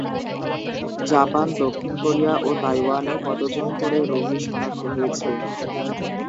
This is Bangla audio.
জাপান, দক্ষিণ কোরিয়া ও তাইওয়ানে কতজন করে রোগী শনাক্ত হয়েছে?